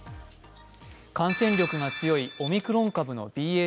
感染力が強いオミクロン株のＢＡ